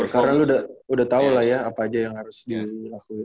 karena lu udah tahu lah ya apa aja yang harus dilakuin